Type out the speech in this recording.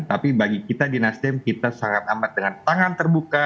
tapi bagi kita di nasdem kita sangat amat dengan tangan terbuka